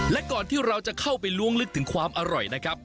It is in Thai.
และก่อนที่เราจะเข้าไปล้วงลึกถึงความอร่อยนะครับ